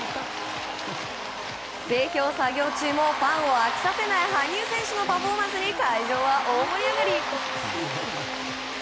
整氷作業中もファンを飽きさせない羽生選手のパフォーマンスに会場は大盛り上がり。